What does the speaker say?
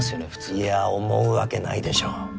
いや思うわけないでしょ。